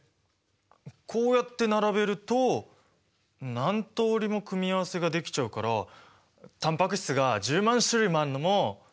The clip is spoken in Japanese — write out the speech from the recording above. こうやって並べると何通りも組み合わせができちゃうからタンパク質が１０万種類もあるのもうなずけますよね。